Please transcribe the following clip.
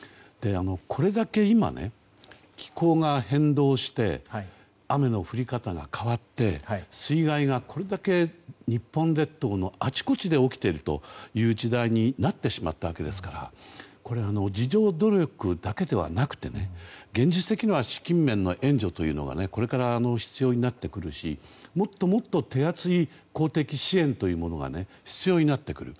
これだけ今ね、気候が変動して雨の降り方が変わって水害がこれだけ日本列島のあちこちで起きているという時代になってしまったわけですから自助努力だけではなくて現実的には資金面の援助というのがこれから必要になってくるしもっと手厚い公的支援というものが必要になってくる。